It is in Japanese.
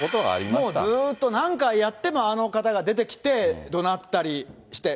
もうずっと何回やっても、あの方が出てきて、どなったりして。